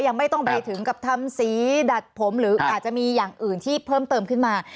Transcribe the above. ยังไม่ต้องไปถึงกับทำสีดัดผมหรืออาจจะมีอย่างอื่นที่เพิ่มเติมขึ้นมา